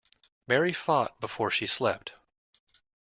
Mary fought before she slept.